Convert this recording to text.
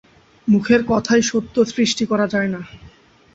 মুখের কথায় সত্য সৃষ্টি করা যায় না।